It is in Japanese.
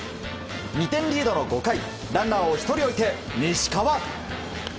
２点リードの５回ランナーを１人置き、西川。